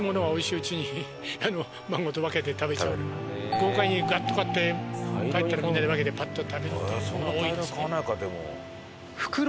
豪快にガッと買って帰ったらみんなで分けてパッと食べる事が多いですね。